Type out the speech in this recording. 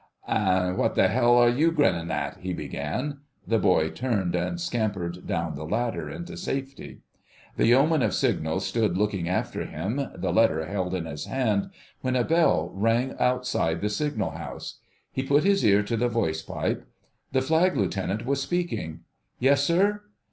"An' what the 'ell are you grinnin' at?" he began. The boy turned and scampered down the ladder into safety. The Yeoman of Signals stood looking after him, the letter held in his hand, when a bell rang outside the signal house. He put his ear to the voice pipe. The Flag Lieutenant was speaking. "Yes, sir?"